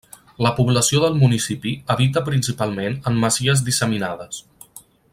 La població del municipi habita principalment en masies disseminades.